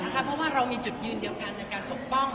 เพราะว่าเรามีจุดยืนเดียวกันในการปกป้อง